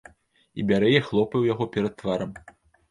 І бярэ і хлопае ў яго перад тварам.